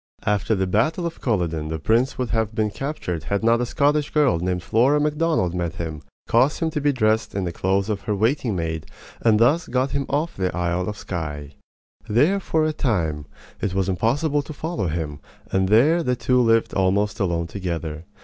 After the battle of Culloden the prince would have been captured had not a Scottish girl named Flora Macdonald met him, caused him to be dressed in the clothes of her waiting maid, and thus got him off to the Isle of Skye. There for a time it was impossible to follow him; and there the two lived almost alone together.